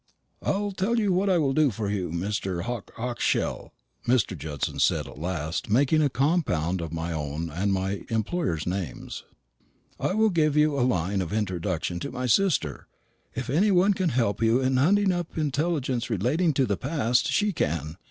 "I'll tell you what I will do for you, Mr. Mr. Hawke shell," Mr. Judson said at last, making a compound of my own and my employer's names; "I will give you a line of introduction to my sister. If any one can help you in hunting up intelligence relating to the past she can.